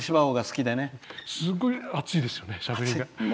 すごい熱いですよねしゃべりが。